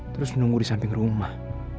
terus menunggu di samping rumah